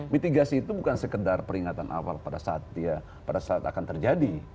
mitigasi itu bukan sekedar peringatan awal pada saat dia pada saat akan terjadi